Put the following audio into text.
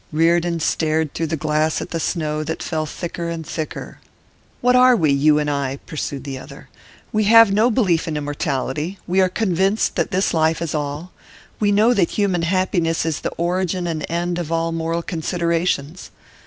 Reardon stared through the glass at the snow that fell thicker and thicker. 'What are we you and I?' pursued the other. 'We have no belief in immortality; we are convinced that this life is all; we know that human happiness is the origin and end of all moral considerations.